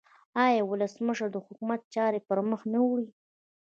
آیا ولسمشر د حکومت چارې پرمخ نه وړي؟